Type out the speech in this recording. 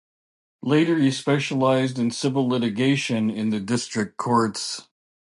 Later he specialised in civil litigation in the District Courts.